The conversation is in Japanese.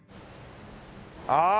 ああ！